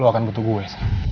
lo bahkan butuh gue